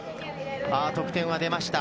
得点が出ました。